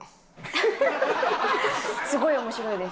すごい面白いです。